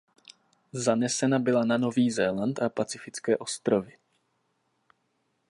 Zanesena byla na Nový Zéland a Pacifické ostrovy.